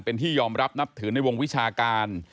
เป็นที่ยอมรับนับถือในวงวิชาการ